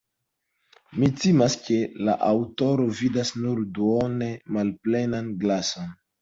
Mi timas, ke la aŭtoro vidas nur duone malplenan glason.